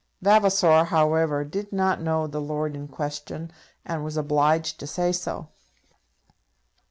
Vavasor, however, did not know the lord in question, and was obliged to say so.